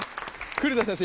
栗田先生